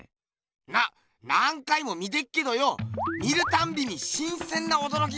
な何回も見てっけどよ見るたんびにしんせんなおどろきがあるな。